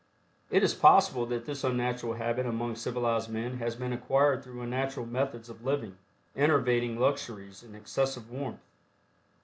It is probable that this unnatural habit among civilized men has been acquired through unnatural methods of living, enervating luxuries and excessive warmth.